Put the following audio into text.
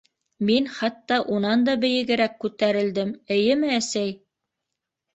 Мин хатта унан да бейегерәк күтәрелдем, эйеме, әсәй?!